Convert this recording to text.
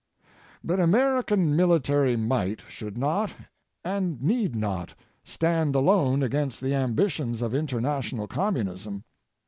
III. But American military might should not and need not stand alone against the ambitions of international communism.